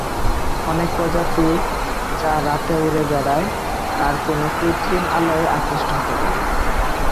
অনেক প্রজাতি, যা রাতে উড়ে বেড়ায়, আর কোনো কৃত্রিম আলোয় আকৃষ্ট হতে পারে।